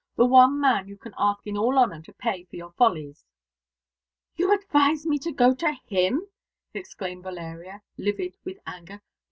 The one man you can ask in all honour to pay for your follies." "You advise me to go to him!" exclaimed Valeria, livid with anger.